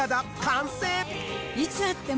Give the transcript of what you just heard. いつ会っても。